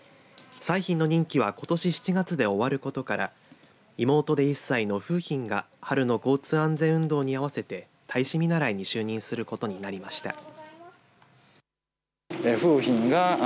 彩浜の任期はことし７月で終わることから妹で１歳の楓浜が春の交通安全運動に合わせて大使見習いに就任することになりました。